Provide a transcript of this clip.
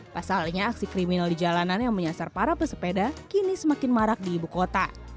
pasalnya aksi kriminal di jalanan yang menyasar para pesepeda kini semakin marak di ibu kota